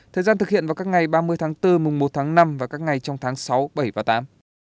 thời gian thực hiện vào các ngày ba mươi tháng bốn mùng một tháng năm và các ngày trong tháng sáu bảy và tám